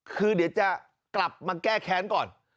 คือเดี๋ยวจะกลับมาแก้แค้นก่อน